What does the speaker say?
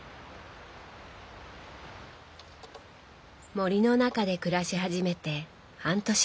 森の中で暮らし始めて半年ほど。